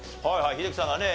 英樹さんがね